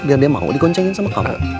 biar dia mau digoncengin sama kamu